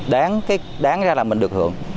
đáng ra là mình được hưởng